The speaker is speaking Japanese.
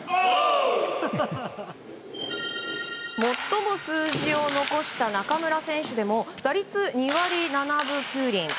最も数字を残した中村選手でも打率２割７分９厘。